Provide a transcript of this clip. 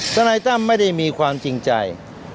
ทนายตั้มไม่ได้มีความจริงใจ